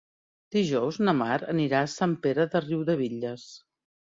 Dijous na Mar anirà a Sant Pere de Riudebitlles.